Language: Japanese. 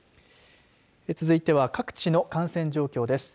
続いては各地の感染状況です。